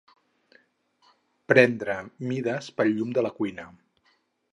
Prendre mides pel llum de la cuina